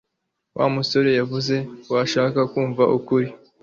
Wa musore yavuze ko ashaka kumva ukuri